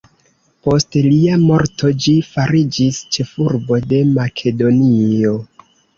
Post lia morto ĝi fariĝis ĉefurbo de Makedonio.